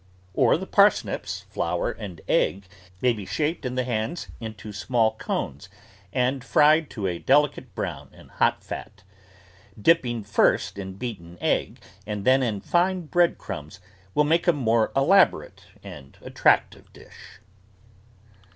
Or the parsnips, flour, and egg may be shaped in the hands into small cones and fried to a deli cate brown in hot fat. Dipping first in beaten egg and then in fine bread crumbs will make a more elaborate and attractive dish.